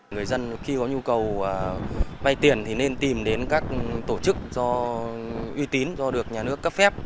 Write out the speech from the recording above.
người dân khi có nhu cầu vay tiền thì nên tìm đến các tổ chức do uy tín do được nhà nước cấp phép